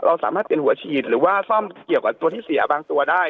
สามารถเป็นหัวฉีดหรือว่าซ่อมเกี่ยวกับตัวที่เสียบางตัวได้